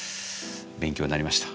勉強になりました。